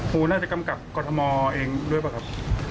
ครูน่าจะกำกับกรทมเองด้วยป่ะครับ